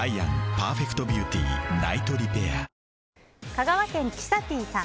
香川県の方。